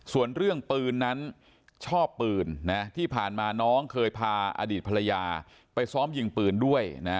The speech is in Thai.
ส่วนเรื่องปืนนั้นชอบปืนที่ผ่านมาน้องเคยพาอดีตภรรยาไปซ้อมยิงปืนด้วยนะ